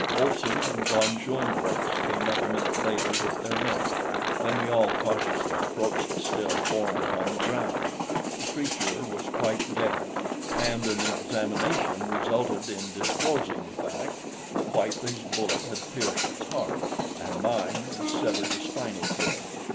Olson and von Schoenvorts came up a minute later with their men; then we all cautiously approached the still form upon the ground. The creature was quite dead, and an examination resulted in disclosing the fact that Whitely's bullet had pierced its heart, and mine had severed the spinal cord.